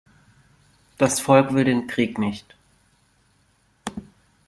Das Volk will den Krieg nicht.